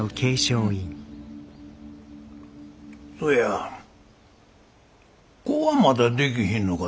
そや子はまだできひんのか？